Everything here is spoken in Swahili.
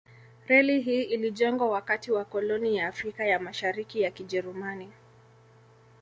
Reli hii ilijengwa wakati wa koloni ya Afrika ya Mashariki ya Kijerumani.